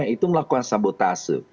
itu melakukan sabotase